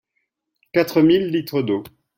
Quatre mille litres d'eau.